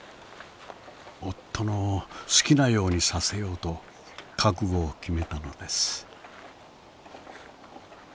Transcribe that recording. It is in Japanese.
夫の好きなようにさせようと覚悟を決めたのです。